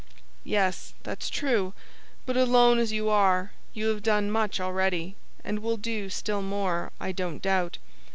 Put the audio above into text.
"Yes, that's true; but alone as you are, you have done much already, and will do still more, I don't doubt.